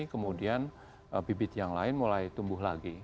kemudian bibit yang lain mulai tumbuh lagi